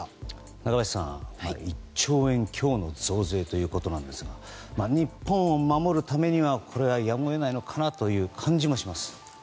中林さん１兆円強の増税ということですが日本を守るためにはやむを得ないのかなという感じもします。